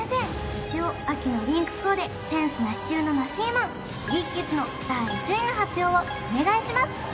一応秋のリンクコーデセンスなし中のなしマンビリッケツの第１０位の発表をお願いします